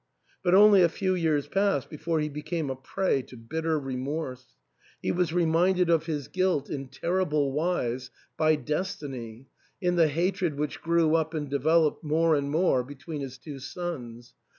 But only a few years passed before he became a prey to bitter remorse. He was reminded of his guilt in 3i6 THE ENTAIL. terrible wise by destiny, in the hatred which grew up and developed more and more between his two sons.